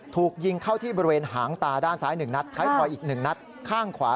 ถูกยิงเข้าที่บริเวณหางตาด้านซ้าย๑นัดท้ายถอยอีก๑นัดข้างขวา